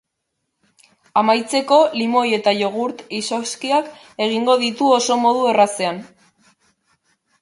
Amaitzeko, limoi eta jogurt izozkiak egingo ditu oso modu errazean.